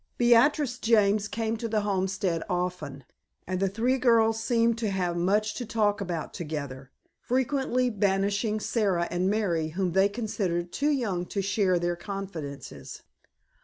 Beatrice James came to the homestead often, and the three girls seemed to have much to talk about together, frequently banishing Sara and Mary, whom they considered too young to share their confidences.